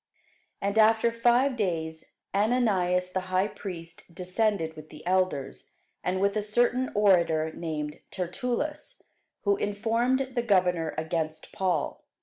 And after five days Ananias the high priest descended with the elders, and with a certain orator named Tertullus, who informed the governor against Paul.